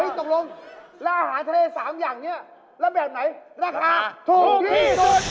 เฮ้ยตรงรวมล่าอาหารทะเล๓อย่างนี้แล้วแบบไหนราคาถูกที่สุด